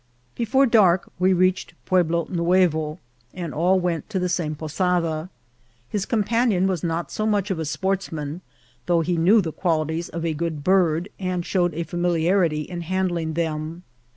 Before dark we reached Pueblo Nuevo, and all went to the same posada. His companion was not so much of a sportsman, though he knew the qualities of a good bird, and showed a familiarity in handling them.